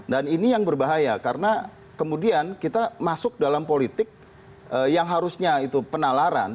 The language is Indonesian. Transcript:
dan ini yang berbahaya karena kemudian kita masuk dalam politik yang harusnya itu penalaran